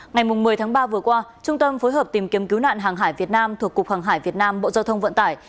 ngày một mươi tháng ba vừa qua trung tâm phối hợp tìm kiếm cứu nạn hàng hải việt nam thuộc cục hàng hải việt nam bộ giao thông vận tải